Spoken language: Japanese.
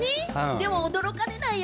でも驚かれないよ。